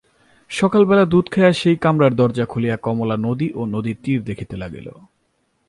সকালবেলা দুধ খাইয়া সেই কামরার দরজা খুলিয়া কমলা নদী ও নদীতীর দেখিতে লাগিল।